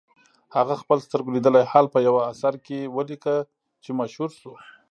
هغه خپل سترګو لیدلی حال په یوه اثر کې ولیکه چې مشهور شو.